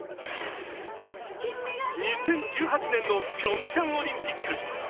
２０１８年のピョンチャンオリンピック。